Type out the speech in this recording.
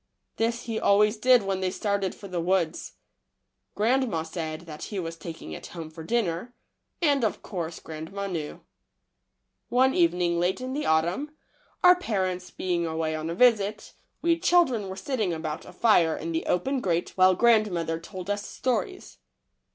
This he always did when they started for the woods. Grandma said that he was taking it home for dinner, and of course grandma knew. One evening late in the autumn, our parents GRANDMA'S WINTER VISITORS. 7 bein^ awav on a visit, we children were sitting about a fire in the open grate while grand mother told us stories.